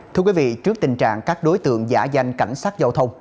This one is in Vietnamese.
thưa quý vị trước tình trạng các đối tượng giả danh cảnh sát giao thông